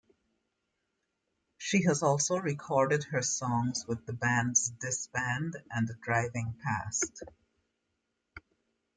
She has also recorded her songs with the bands Disband and Driving Past.